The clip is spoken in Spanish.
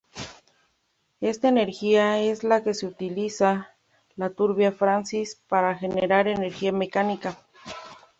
Esta energía es la que utiliza la turbina Francis para generar energía mecánica.